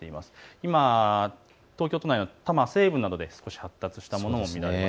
今、東京都内の多摩西部などで少し発達したものも見られます。